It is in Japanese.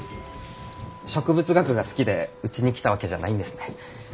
植物学が好きでうちに来たわけじゃないんですね。